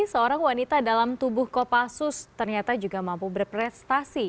seorang wanita dalam tubuh kopassus ternyata juga mampu berprestasi